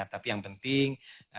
tapi yang penting